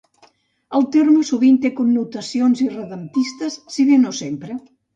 El terme sovint té connotacions irredemptistes, si bé no sempre.